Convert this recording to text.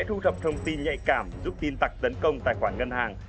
thu thập thông tin nhạy cảm giúp tin tặc tấn công tài khoản ngân hàng